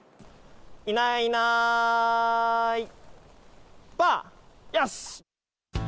いないいないばあ！よし。